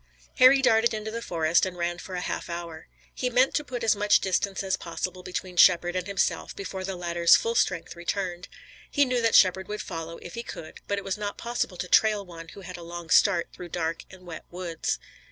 Harry darted into the forest, and ran for a half hour. He meant to put as much distance as possible between Shepard and himself before the latter's full strength returned. He knew that Shepard would follow, if he could, but it was not possible to trail one who had a long start through dark and wet woods.